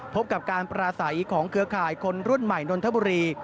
พบกับการปราศัยของเครือข่ายคนรุ่นใหม่นนทบุรี